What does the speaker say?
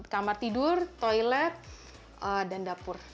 kamar tidur toilet dan dapur